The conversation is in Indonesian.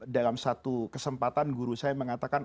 dalam satu kesempatan guru saya mengatakan